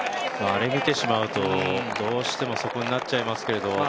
あれ見てしまうと、どうしてもそこになってしまいますけど。